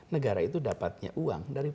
negara itu dapatnya uang dari